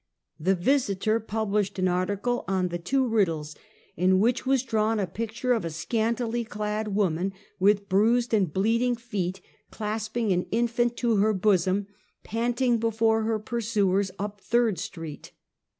The Visiter published an article on " The Two Pid dles," in which was drawn a picture of a scantily clad woman, with bruised and bleeding feet, clasping an infant to her bosom, panting before her pursuers up Third street.